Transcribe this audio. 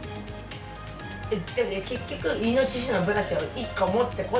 でも結局イノシシのブラシは１個持っとこう。